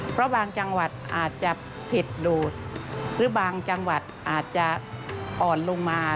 เพราะบางจังหวัดอาจจะผิดดูดหรือบางจังหวัดอาจจะอ่อนลงมา